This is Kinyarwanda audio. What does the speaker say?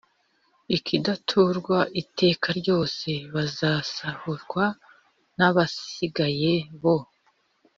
ikidaturwa iteka ryose Bazasahurwa n abasigaye bo